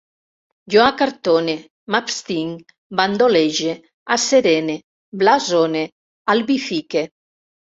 Jo acartone, m'abstinc, bandolege, asserene, blasone, albifique